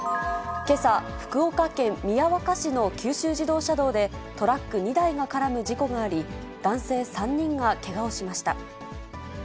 けさ、福岡県宮若市の九州自動車道で、トラック２台が絡む事故があり、男性３人がけがをしました。